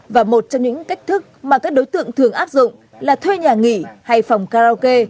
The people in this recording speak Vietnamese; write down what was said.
và một trong những cách thức mà các đối tượng thường áp dụng là thuê nhà nghỉ hay phòng karaoke